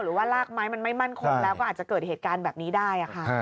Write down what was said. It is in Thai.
ลากไม้มันไม่มั่นคงแล้วก็อาจจะเกิดเหตุการณ์แบบนี้ได้ค่ะ